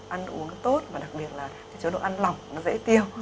ăn uống tốt và đặc biệt là chế độ ăn lỏng nó dễ tiêu